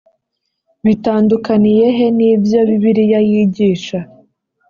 bitandukaniye he n’ibyo bibiliya yigisha?